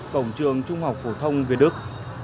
cổng trường trung học phổ thông việt đức